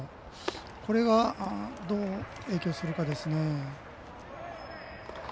これが、どう影響するかですね。